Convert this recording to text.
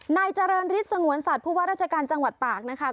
นายเจริญฤทธิสงวนสัตว์ผู้ว่าราชการจังหวัดตากนะคะ